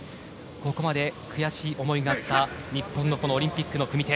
ここまで悔しい思いがあった日本のオリンピックのこの組手。